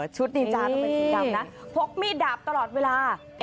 ดีจ้าก็เป็นสีดำนะพกมีดดาบตลอดเวลา